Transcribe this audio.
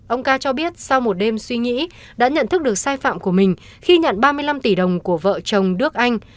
ông ca cho biết sau một đêm suy nghĩ đã nhận thức được sai phạm của mình khi nhận ba mươi năm tỷ đồng của vợ chồng đức anh